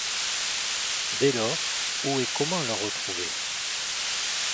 Dès lors, où et comment le retrouver?